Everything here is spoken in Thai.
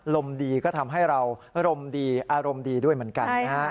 ลมดีก็ทำให้เราอารมณ์ดีอารมณ์ดีด้วยเหมือนกันนะฮะ